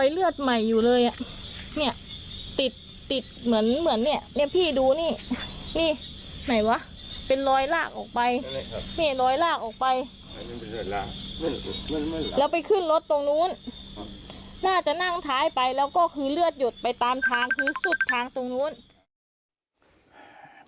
แล้วเลือดตรงนู้นน่าจะนั่งท้ายไปแล้วก็คือเลือดหยดไปตามทางคือสุดทางตรงนู้น